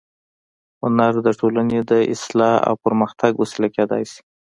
هنر د ټولنې د اصلاح او پرمختګ وسیله کېدای شي